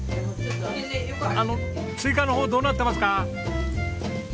あの追加の方どうなってますか？